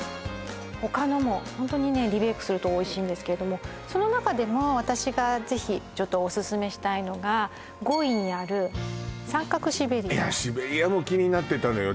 他のもホントにねリベイクするとおいしいんですけれどもその中でも私がぜひちょっとオススメしたいのが５位にある三角シベリアシベリアも気になってたのよ